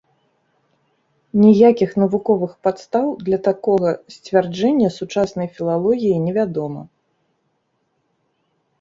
Ніякіх навуковых падстаў для такога сцвярджэння сучаснай філалогіі невядома.